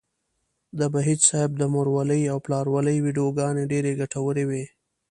د بهيج صاحب د مورولۍ او پلارولۍ ويډيوګانې ډېرې ګټورې وې.